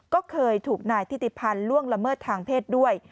ก็เคยถูกนายทิติพันธ์ล่วงละเมิดทางเพศด้วย